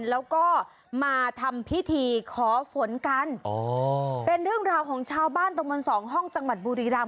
แล้วก็มาทำพิธีขอฝนกันอ๋อเป็นเรื่องราวของชาวบ้านตะมนต์สองห้องจังหวัดบุรีรำ